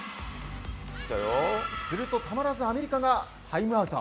するとたまらずアメリカがタイムアウト。